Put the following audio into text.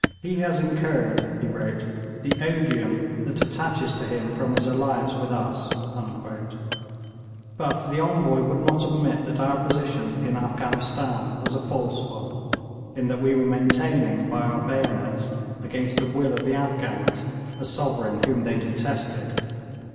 'He has incurred,' he wrote, 'the odium that attaches to him from his alliance with us'; but the Envoy would not admit that our position in Afghanistan was a false one, in that we were maintaining by our bayonets, against the will of the Afghans, a sovereign whom they detested.